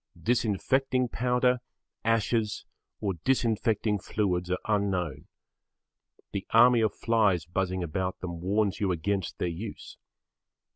Disinfecting powder, ashes, or disinfecting fluids are unknown. The army of flies buzzing about them warns you against their use.